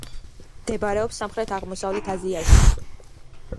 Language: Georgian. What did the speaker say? მდებარეობს სამხრეთ-აღმოსავლეთ აზიაში.